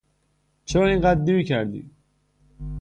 چرا اینقدر دیر کردی؟